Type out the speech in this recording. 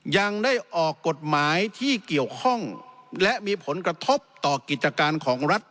ยังได้ออกกฎหมายที่เกี่ยวข้องและมีผลกระทบต่อกิจการของรัฐ